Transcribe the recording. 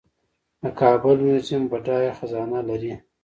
د کابل میوزیم بډایه خزانه لري